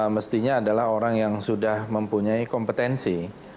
mestinya adalah orang yang sudah mempunyai kompetensi